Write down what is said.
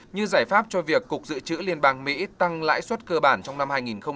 như giải pháp cho việc cục dự trữ liên bang mỹ tăng lãi suất cơ bản trong năm hai nghìn hai mươi